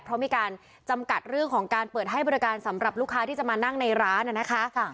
เพราะมีการจำกัดเรื่องของการเปิดให้บริการสำหรับลูกค้าที่จะมานั่งในร้านนะคะ